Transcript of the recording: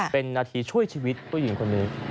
เป็นนาทีช่วยชีวิตผู้หญิงคนนี้